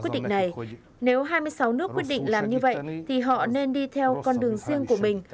quyết định này nếu hai mươi sáu nước quyết định làm như vậy thì họ nên đi theo con đường riêng của mình